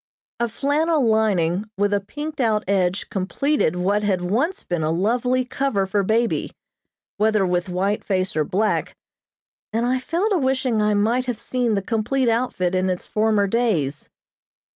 A flannel lining with a pinked out edge completed what had once been a lovely cover for baby, whether with white face or black, and I fell to wishing I might have seen the complete outfit in its former days.